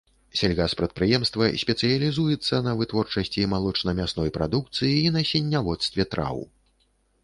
Сельгаспрадпрыемства спецыялізуецца на вытворчасці малочна-мясной прадукцыі і насенняводстве траў.